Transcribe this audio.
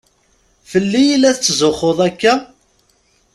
Fell-i i la tetzuxxuḍ akka?